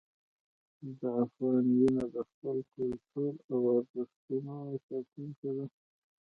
د افغان وینه د خپل کلتور او ارزښتونو ساتونکې ده.